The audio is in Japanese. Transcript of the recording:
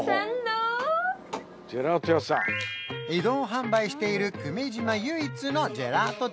移動販売している久米島唯一のジェラート店